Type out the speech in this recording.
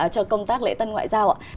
cho công tác lễ tân ngoại giao